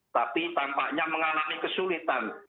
tapi tampaknya mengalami kesulitan